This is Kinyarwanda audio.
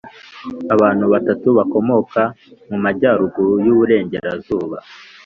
abantu batatu bakomoka mu majyaruguru y' uburengerazuba: